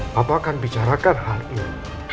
bapak akan bicarakan hal ini